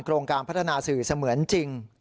โรงการพัฒนาสื่อเสมือนจริง